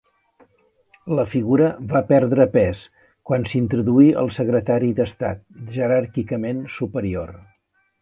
La figura va perdre pes quan s'introduí el Secretari d'Estat, jeràrquicament superior.